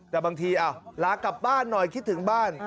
แต่บางทีลากลับบ้านหน่อยคิดถึงบ้าน